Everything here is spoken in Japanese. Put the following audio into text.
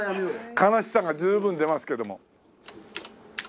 悲しさが十分出ますけども。